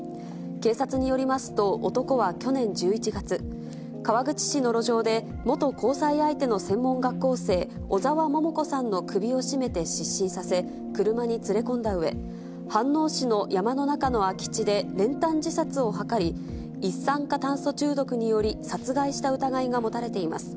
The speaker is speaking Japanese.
警察によりますと、男は去年１１月、川口市の路上で、元交際相手の専門学校生、小沢桃子さんの首を絞めて失神させ、車に連れ込んだうえ、飯能市の山の中の空き地で練炭自殺を図り、一酸化炭素中毒により殺害した疑いが持たれています。